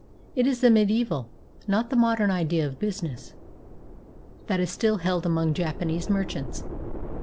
It is the mediaeval, not the modern idea of business, that is still held among Japanese merchants.